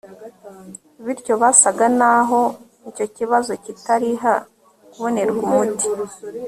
bityo byasaga naho icyo kibazo kitari ha kubonerwa umuti